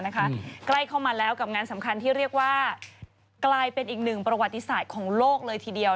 ใกล้เข้ามาแล้วกับงานสำคัญที่เรียกว่ากลายเป็นอีกหนึ่งประวัติศาสตร์ของโลกเลยทีเดียว